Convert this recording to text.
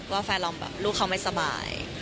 แฟนเราแบบลูกเขาไม่สบาย